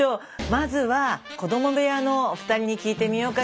まずは子ども部屋のお二人に聞いてみようかしら。